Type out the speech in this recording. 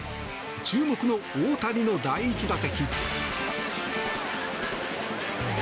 注目の大谷の第１打席。